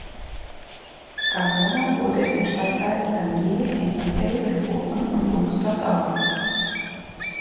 Carmona wurde im Stadtteil Panier in Marseille geboren und wuchs dort auf.